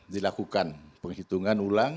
dilakukan penghitungan ulang